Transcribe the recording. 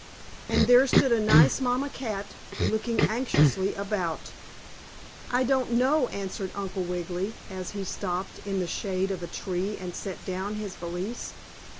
And there stood a nice mamma cat, looking anxiously about. "I don't know," answered Uncle Wiggily, as he stopped in the shade of a tree, and set down his valise.